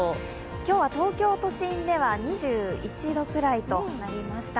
今日は東京都心では２１度くらいとなりました。